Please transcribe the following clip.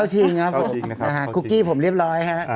เข้าชิงครับผมคุกกี้ผมเรียบร้อยครับ